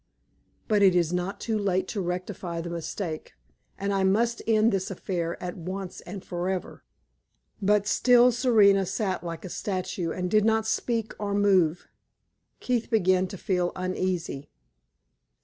But it is not too late to rectify the mistake, and I must end this affair at once and forever." But still Serena sat like a statue and did not speak or move. Keith began to feel uneasy.